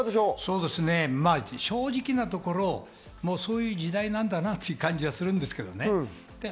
正直なところそういう時代なんだなという感じがするんですね。